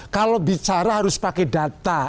kalau bicara harus pakai data